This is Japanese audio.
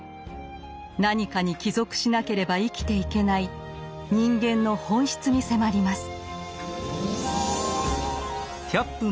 何かに帰属しなければ生きていけない人間の本質に迫ります。